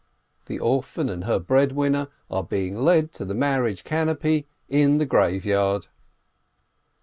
The orphan and her breadwinner are being led to the mar riage canopy in the graveyard